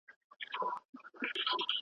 څوک په هجران کې د خپل ځان شپې تیروینه